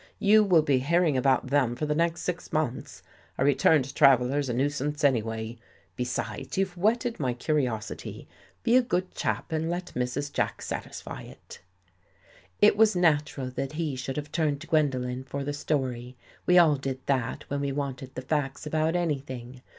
" You will be hearing about them for the next six months. A returned traveler's a nuisance any way. Besides, you've whetted my curiosity. Be a good chap and let Mrs. Jack satisfy it." It was natural that he should have turned to Gwendolen for the story. We all did that when we wanted the facts about anything.